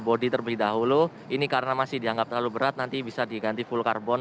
body terlebih dahulu ini karena masih dianggap terlalu berat nanti bisa diganti full carbon